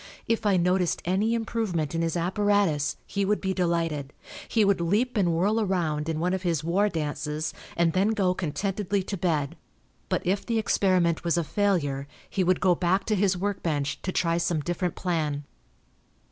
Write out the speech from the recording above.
If I noticed any improvement in his apparatus he would be delighted. He would leap and whirl around in one of his 'war dances,' and then go contentedly to bed. But if the experiment was a failure he would go back to his work bench to try some different plan."